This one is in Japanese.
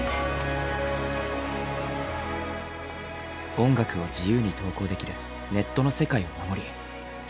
音楽を自由に投稿できるネットの世界を守り広めたい。